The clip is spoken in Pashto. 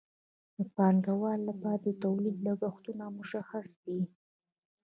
د پانګوال لپاره د تولید لګښتونه مشخص دي